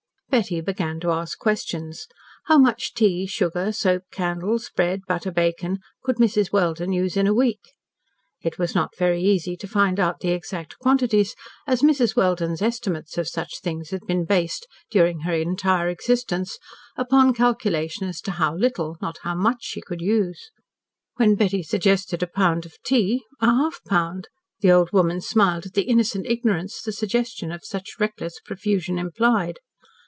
Betty began to ask questions. How much tea, sugar, soap, candles, bread, butter, bacon, could Mrs. Welden use in a week? It was not very easy to find out the exact quantities, as Mrs. Welden's estimates of such things had been based, during her entire existence, upon calculation as to how little, not how much she could use. When Betty suggested a pound of tea, a half pound the old woman smiled at the innocent ignorance the suggestion of such reckless profusion implied.